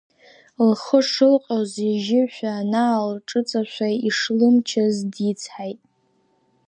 Лхы шылҟьоз, ижьышәа анаалҿыҵашәа, ишлымчыз дицҳаит.